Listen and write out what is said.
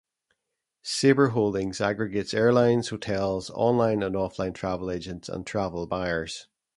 Sabre Holdings aggregates airlines, hotels, online and offline travel agents and travel buyers.